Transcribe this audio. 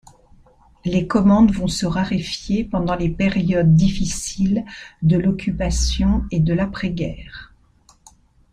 Les commandes vont se raréfier pendant les périodes difficiles de l'Occupation et de l'après-guerre.